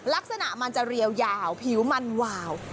ลักษณะมันจะเรียวยาวผิวมันวาว